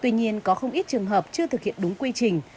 tuy nhiên có không ít trường hợp chưa thực hiện đúng quy trình